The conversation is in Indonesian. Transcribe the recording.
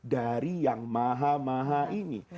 dari yang maha maha ini